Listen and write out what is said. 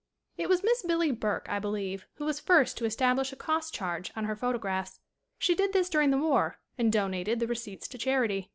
It was Miss Billie Burke, I believe, who was first to establish a cost charge on her photo graphs. She did this during the war and donated the receipts to charity.